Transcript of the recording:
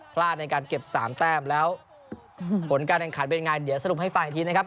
พลาดในการเก็บ๓แต้มแล้วผลการแข่งขันเป็นยังไงเดี๋ยวสรุปให้ฟังอีกทีนะครับ